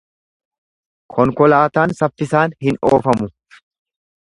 Konkolaataan saffisaan hin oofamu.